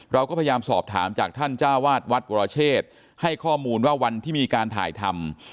เราก็พยายามสอบถามจากท่านจ้าวาดวัดวรเชษให้ข้อมูลว่าวันที่มีการถ่ายทำ